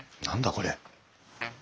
これ。